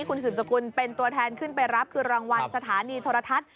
คุณสืบสกุลเป็นตัวแทนขึ้นไปรับคือรางวัลสถานีโทรทัศน์